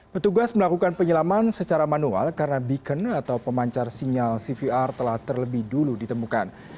petugas melakukan penyelaman secara manual karena beacon atau pemancar sinyal cvr telah terlebih dulu ditemukan